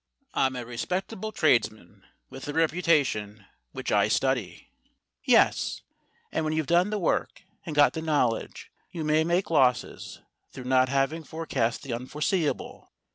I'm a respectable tradesman, with a reputation which I study. Yes; and when you've done the work and got the knowledge, you may make losses through not having forecast the unforeseeable.